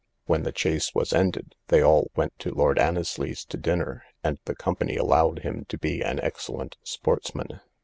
When the chase was ended, they all went to Lord Annesly's to dinner, and the company allowed him to be an excellent sportsman.